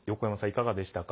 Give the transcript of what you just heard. いかがでしたか？